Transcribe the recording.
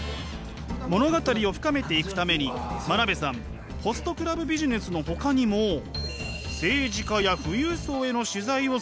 物語を深めていくために真鍋さんホストクラブビジネスのほかにも政治家や富裕層への取材を進めているそうです！